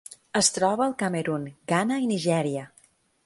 Es troba al Camerun, Ghana i Nigèria.